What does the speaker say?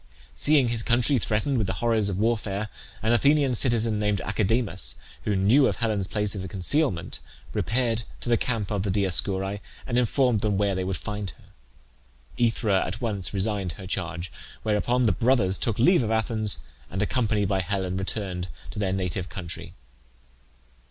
Seeing his country threatened with the horrors of warfare, an Athenian citizen named Academus, who knew of Helen's place of concealment, repaired to the camp of the Dioscuri, and informed them where they would find her. AEthra at once resigned her charge, whereupon the brothers took leave of Athens, and, accompanied by Helen, returned to their native country.